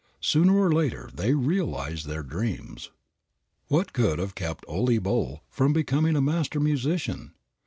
Sooner or later they realize their dreams. What could have kept Ole Bull from becoming a master musician?